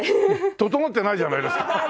整ってないじゃないですか！